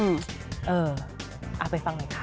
เออเอาไปฟังเลยค่ะ